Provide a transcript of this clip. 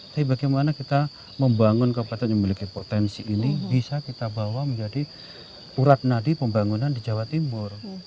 tapi bagaimana kita membangun kabupaten yang memiliki potensi ini bisa kita bawa menjadi urat nadi pembangunan di jawa timur